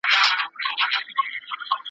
وراوي به راسي د توتکیو `